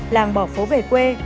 làng bỏ phố về quê